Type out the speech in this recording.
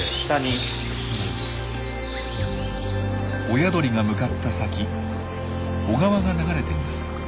親鳥が向かった先小川が流れています。